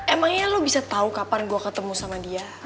emangnya lo bisa tahu kapan gue ketemu sama dia